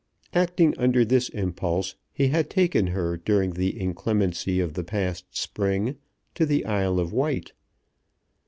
Acting under this impulse, he had taken her during the inclemency of the past spring to the Isle of Wight.